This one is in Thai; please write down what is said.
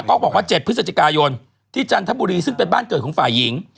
ก็บอกว่า๗พฤศจิกายนที่จันทบุรีซึ่งเป็นบ้านเกิดของฝ่ายหญิง